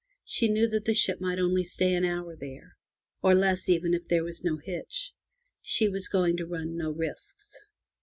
She knew that the ship might only stay an hour there, or less even if there were no hitch. She was going to run no risks.